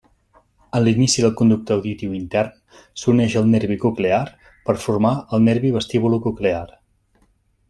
En l'inici del conducte auditiu intern, s'uneix al nervi coclear per formar el nervi vestibulococlear.